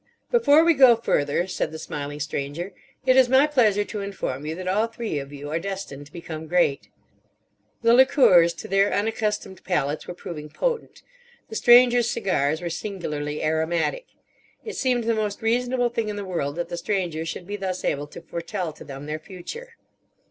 "Before we go further," said the smiling Stranger, "it is my pleasure to inform you that all three of you are destined to become great." The liqueurs to their unaccustomed palates were proving potent. The Stranger's cigars were singularly aromatic. It seemed the most reasonable thing in the world that the Stranger should be thus able to foretell to them their future.